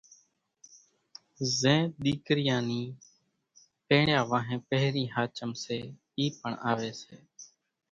زين ۮيڪريان نِي پيڻيا وانھين پھرين ۿاچم سي اِي پڻ آوي سي